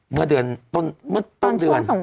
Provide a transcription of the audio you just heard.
เมื่อต้นเดือน